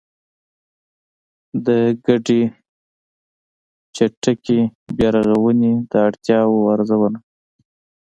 د ګډې چټکې بيا رغونې د اړتیاوو ارزونه